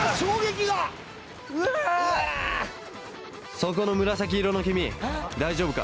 そこの紫色の君大丈夫か？